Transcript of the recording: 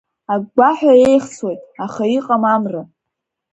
Агәгәаҳәа еихсуеит, аха иҟам Амра.